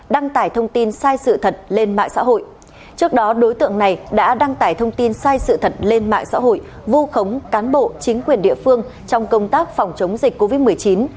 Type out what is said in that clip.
đăng tải thông tin sai sự thật lên mạng xã hội vô khống cán bộ chính quyền địa phương trong công tác phòng chống dịch covid một mươi chín